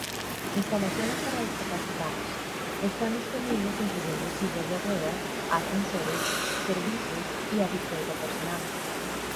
Instalaciones para discapacitados: están disponibles incluyendo sillas de ruedas, ascensores, servicios y asistencia personal.